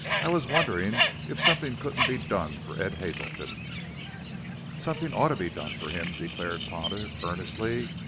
I was wondering if something couldn't be done for Ed Hazelton." "Something ought to be done for him," declared Potter earnestly.